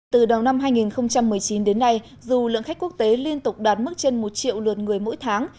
từ đầu năm hai nghìn một mươi chín đến nay dù lượng khách quốc tế liên tục đạt mức trên một triệu lượt người mỗi tháng